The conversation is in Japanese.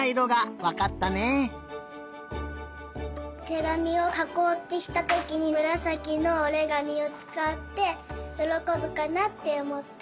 てがみをかこうってしたときにむらさきのおりがみをつかってよろこぶかなっておもった。